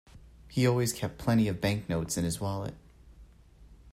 He always kept plenty of banknotes in his wallet